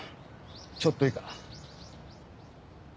ちょっといいか？